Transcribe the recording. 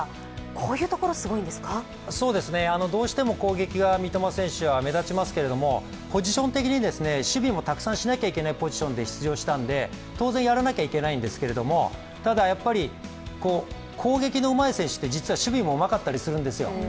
こういうところ、すごいんですかどうしても攻撃が三笘選手は目立ちますけれども、ポジション敵に守備もたくさんしなきゃいけないポジションで出場したんで、当然やらなきゃいけないんですけど、ただ、攻撃のうまい選手って実は守備もうまかったりするんですよ。